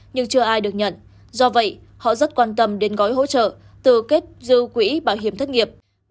nhưng chưa ai được nhận do vậy họ rất quan tâm đến gói hỗ trợ từ kết dư quỹ bảo hiểm thất nghiệp